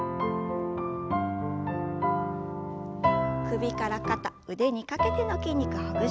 首から肩腕にかけての筋肉ほぐします。